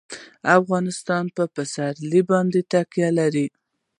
افغانستان په پسرلی باندې تکیه لري.